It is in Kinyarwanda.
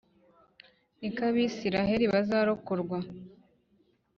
niko Abayisraheli bazarokorwa,